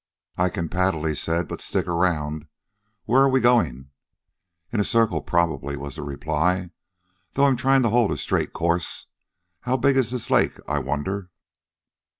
"I can paddle," he said: "but stick around. Where are we going?" "In a circle, probably," was the reply, "though I'm trying to hold a straight course. How big is this lake, I wonder?"